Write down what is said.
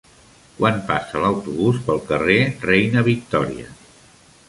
Quan passa l'autobús pel carrer Reina Victòria?